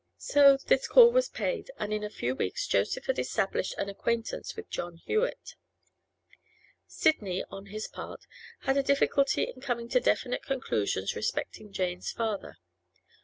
So this call was paid, and in a few weeks Joseph had established an acquaintance with John Hewett. Sidney, on his part, had a difficulty in coming to definite conclusions respecting Jane's father.